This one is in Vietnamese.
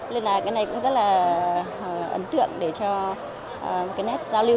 nên là cái này cũng rất là ấn tượng để cho cái nét giao lưu